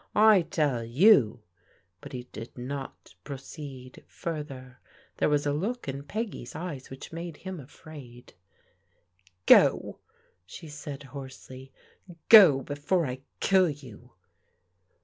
I tell you " but he did not proceed further. There was a look in Peggy's eyes which made him afraid. Go !" she said hoarsely. " Go before I kill you."